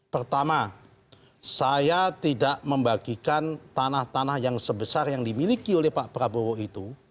pertama saya tidak membagikan tanah tanah yang sebesar yang dimiliki oleh pak prabowo itu